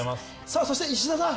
そして石田さん。